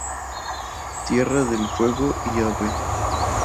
Tierra del Fuego y Av.